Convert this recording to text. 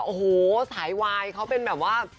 โอ้โหสายวายเขาเป็นแบบว่า